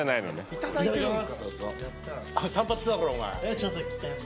いただきます。